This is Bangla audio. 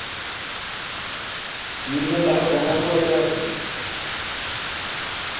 নিম্নে তাহার বঙ্গানুবাদ দেওয়া হইল।